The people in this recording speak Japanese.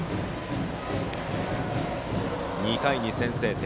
２回に先制点。